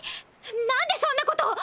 なんでそんなこと。